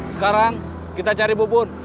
sekarang kita cari bubur